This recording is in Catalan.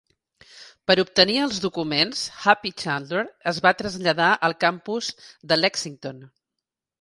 Per obtenir els documents "Happy" Chandler es va traslladar al campus de Lexington.